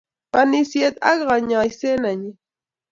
banishet ak kanyoset nenyii